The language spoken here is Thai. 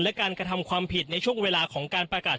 และการกระทำความผิดในช่วงเวลาของการประกาศ